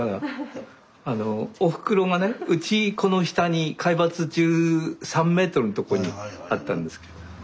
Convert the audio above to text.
おふくろがねうちこの下に海抜１３ｍのとこにあったんですけどま